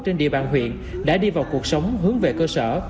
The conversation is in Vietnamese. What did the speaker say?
trên địa bàn huyện đã đi vào cuộc sống hướng về cơ sở